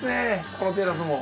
このテラスも。